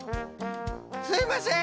すいません。